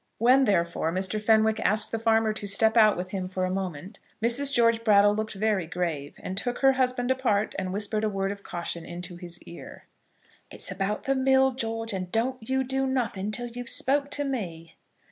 When, therefore, Mr. Fenwick asked the farmer to step out with him for a moment, Mrs. George Brattle looked very grave, and took her husband apart and whispered a word of caution into his ear. "It's about the mill, George; and don't you do nothing till you've spoke to me."